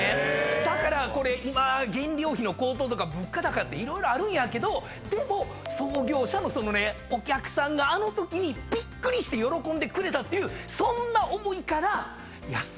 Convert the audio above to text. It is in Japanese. だからこれ今原料費の高騰とか物価高って色々あるんやけどでも創業者のそのねお客さんがあのときにびっくりして喜んでくれたっていうそんな思いから安い値段で提供を続けてるそうなんですよね。